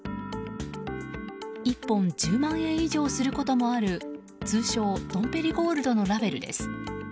１本１０万円以上することもある通称ドンペリゴールドのラベルです。